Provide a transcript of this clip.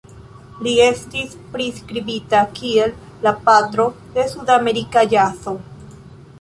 Li estis priskribita kiel "la patro de sudafrika ĵazo.